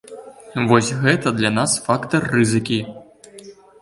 Вось гэта для нас фактар рызыкі.